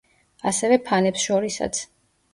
ასევე ფანებს შორისაც.